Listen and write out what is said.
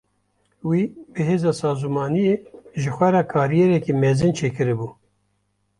Wî bi hêza sazûmaniyê ji xwe re kariyereke mezin çêkiribû.